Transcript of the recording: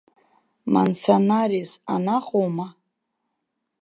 Мансанарес анаҟоума?